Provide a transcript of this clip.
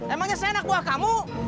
emangnya saya anak buah kamu